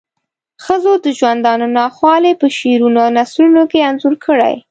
ښځو د ژوندانه ناخوالی په شعرونو او نثرونو کې انځور کړې.